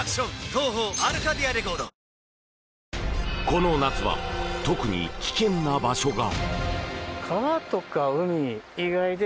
この夏場特に危険な場所が。